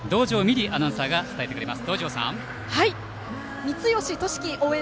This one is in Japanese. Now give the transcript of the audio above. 璃アナウンサーが伝えてくれます。